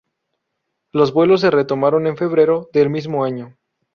Los vuelos se retomaron en febrero del mismo año.